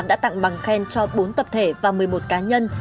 đã tặng bằng khen cho bốn tập thể và một mươi một cá nhân